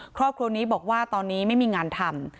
ครอบครัวนี้บอกว่าตอนนี้ไม่มีงานทำ